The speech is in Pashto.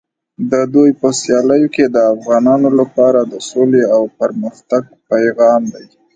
د دوی په سیالیو کې د افغانانو لپاره د سولې او پرمختګ پیغام دی.